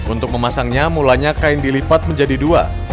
untuk memasangnya mulanya kain dilipat menjadi dua